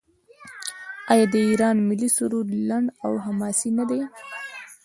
آیا د ایران ملي سرود لنډ او حماسي نه دی؟